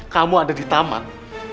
kamu ada di taman